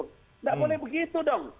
nggak boleh begitu dong